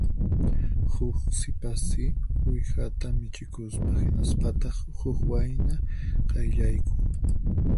Huk sipassi uwihata michikusqa; hinaspataq huk wayna qayllaykun